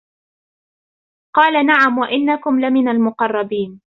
قال نعم وإنكم لمن المقربين